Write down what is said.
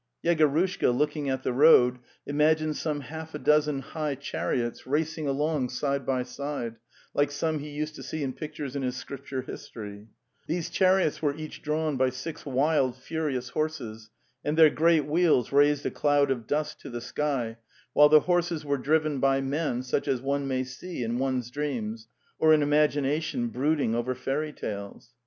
Yegorushka, looking at the road, imagined some half a dozen high chariots racing along side by side, like some he used to see in pictures in his Scripture history; these chariots were each drawn by six wild furious horses, and their great wheels raised a cloud of dust to the sky, while the horses were driven by men such as one may see in one's dreams or in imagination brooding over fairy tales.